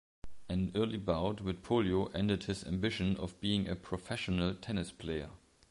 An early bout with polio ended his ambition of being a professional tennis player.